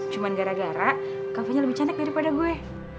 cuma gara gara kafenya lebih cantik daripada gue